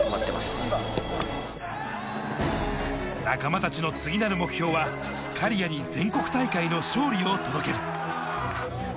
仲間たちの次なる目標は苅谷に全国大会の勝利を届ける。